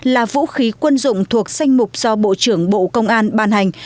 là vũ khí quân dụng thuộc danh mục do bộ trưởng bộ công an ban hành